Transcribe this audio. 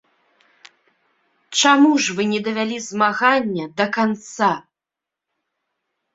— Чаму ж вы не давялі змагання да канца?